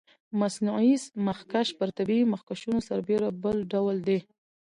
مصنوعي مخکش پر طبیعي مخکشونو سربېره بل ډول دی.